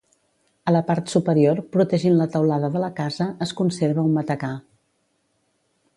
A la part superior, protegint la teulada de la casa, es conserva un matacà.